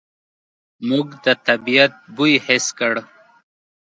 موږ د طبعیت بوی حس کړ.